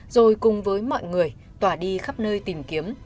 rồi cùng với mọi người tỏa đi khắp nơi tìm kiếm